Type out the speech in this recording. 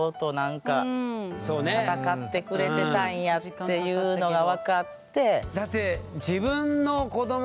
っていうのが分かって。